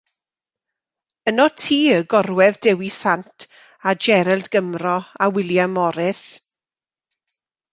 Ynot ti y gorwedd Dewi Sant a Gerald Gymro a William Morris.